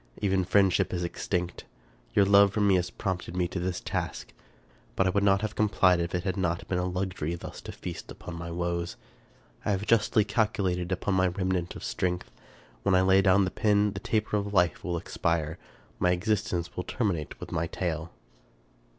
Even friend ship is extinct. Your love for me has prompted me to this task; but I would not have complied if it had not been a luxury thus to feast upon my woes. I have justly calcu lated upon my remnant of strength. When I lay down the pen the taper of life will expire ; my existence will terminate with my tale.